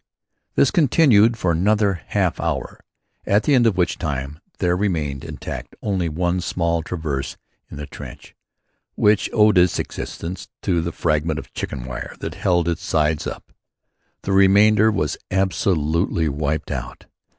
This continued for another half hour, at the end of which time there remained intact only one small traverse in the trench, which owed its existence to the fragment of chicken wire that held its sides up. The remainder was absolutely wiped out.